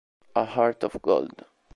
A Heart of Gold